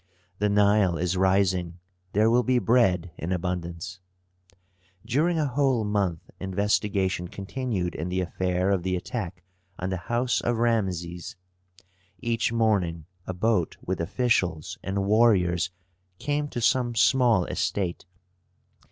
The Nile is rising, there will be bread in abundance. During a whole month investigation continued in the affair of the attack on the house of Rameses. Each morning a boat with officials and warriors came to some small estate.